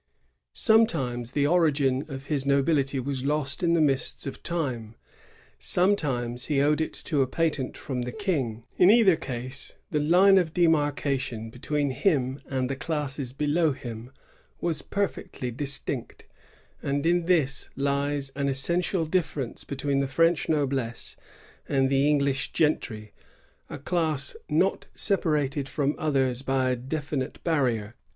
Sometimes the origin of his nobility was lost in the mists of time; sometimes he owed it to a patent from the King. In either case, the line of demarcation between him and the classes below him was perfectly distinct; and in this lies an essential difference between the French noblesse and the English gentry, a class not separated from others by a definite barrier.